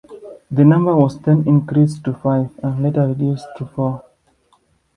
The number was then increased to five, and later reduced to four.